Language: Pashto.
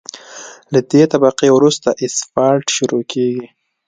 له دې طبقې وروسته اسفالټ شروع کیږي